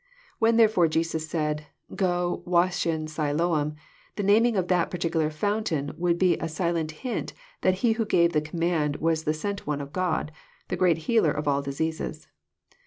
When therefore Jesus said, ''Go, wash in Siloam,*' the naming of that particular fountain would be a silent hint that He who gave the command was the Sent One of God, the great Healer of all dis eases.